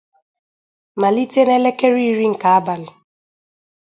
malite n'elekere iri nke abalị